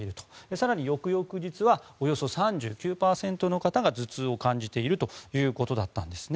更に翌々日はおよそ３９％の方が頭痛を感じているということだったんです。